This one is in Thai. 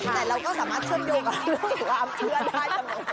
แต่เราก็สามารถเชื่อมโยงกับเรื่องของความเชื่อได้ตลอด